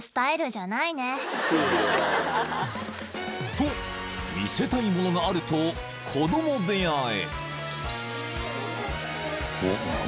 ［と見せたいものがあると子供部屋へ］